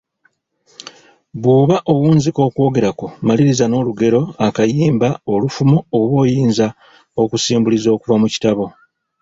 Bw’oba owunzika okwogera kwo, maliriza n’olugero, akayimba, olufumo, oba oyinza okusimbuliza okuva mu kitabo.